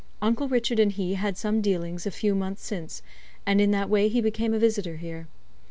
Uncle Richard and he had some dealings a few months since, and in that way he became a visitor here.